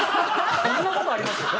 そんなことあります？